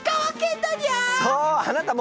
そう！